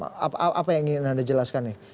apa yang ingin anda jelaskan nih